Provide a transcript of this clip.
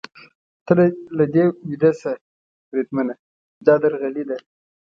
ته له دې ویده شه، بریدمنه، دا درغلي ده.